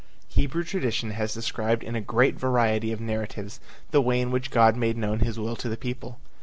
Hebrew tradition has described in a great variety of narratives the way in which God made known his will to the people.